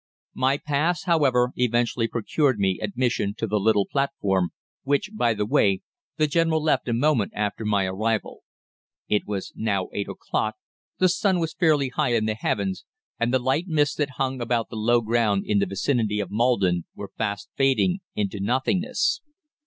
"My pass, however, eventually procured me admission to the little platform, which, by the way, the General left a moment after my arrival. It was now eight o'clock, the sun was fairly high in the heavens, and the light mists that hung about the low ground in the vicinity of Maldon were fast fading into nothingness.